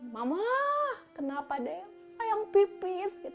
mama kenapa ada yang pipis